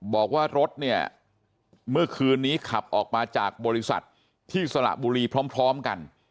บอกว่ารถเนี่ยเมื่อคืนนี้ขับออกมาจากบริษัทที่สระบุรีพร้อมกัน